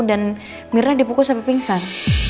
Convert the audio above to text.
dan myrna dipukul sampai pingsan